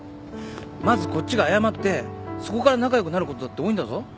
まずこっちが謝ってそこから仲良くなることだって多いんだぞ。